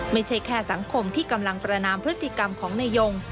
ไม่ใช่แค่สังคมที่กำลังประนามพฤติกรรมของนายยง